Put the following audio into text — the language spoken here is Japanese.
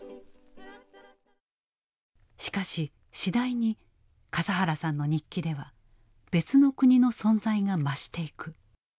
しかし次第に笠原さんの日記では別の国の存在が増していく。